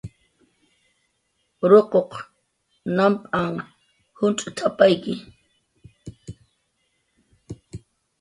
"Ruquq namp'anh juncx't""apayki"